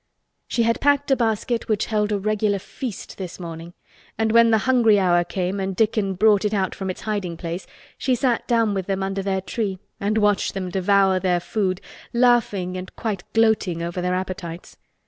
She had packed a basket which held a regular feast this morning, and when the hungry hour came and Dickon brought it out from its hiding place, she sat down with them under their tree and watched them devour their food, laughing and quite gloating over their appetites.